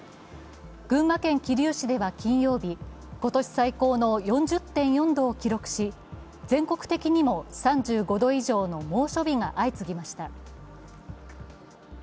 群馬県桐生市では、金曜日今年最高の４０．４度を記録し全国的にも３５度以上の猛暑日が相次ぎました。